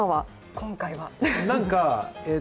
今回は。